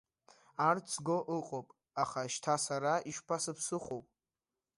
Арҭ зго ыҟоуп, аха шьҭа сара ишԥасыԥсыхәоу?